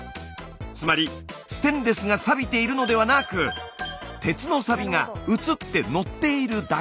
つまりステンレスがサビているのではなく鉄のサビがうつってのっているだけ。